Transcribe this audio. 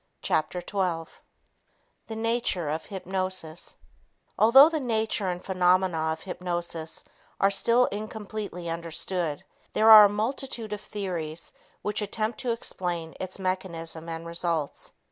Chapter 12 The Nature of Hypnosis Although the nature and phenomena of hypnosis are still incompletely understood, there are a multitude of theories which attempt to explain its mechanism and results.